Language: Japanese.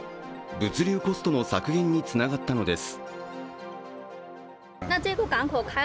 物流コストの削減につながったのです。